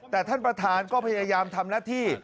แต่ท่านประธานก็พยายามทำหน้าที่